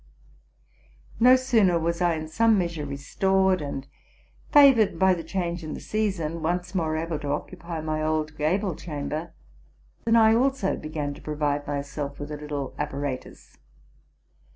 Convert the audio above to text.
No sooner was I in some measure restored, and, favored by che change in the season, once more able to occupy my ose gable chamber, than I also began to provide myself with : little apparatus.